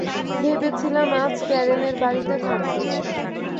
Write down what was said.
ভেবেছিলাম আজ ক্যারেনের বাড়িতে থাকবি।